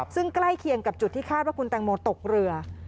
ซึ่งใกล้เคียงกับจุดที่คาดว่าคุณแตงโมตกเรือ